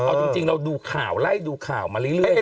เอาจริงเราดูข่าวไล่ดูข่าวมาเรื่อย